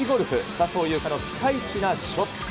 笹生優花のピカイチなショット。